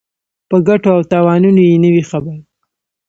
په ګټو او تاوانونو یې نه وي خبر.